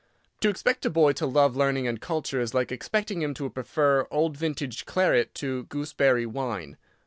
To expect a boy to love learning and culture is like expecting him to prefer old vintage claret to gooseberry wine.